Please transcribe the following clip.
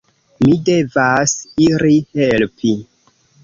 Mi devas iri helpi.